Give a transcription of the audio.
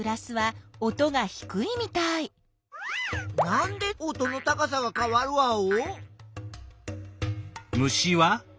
なんで音の高さがかわるワオ？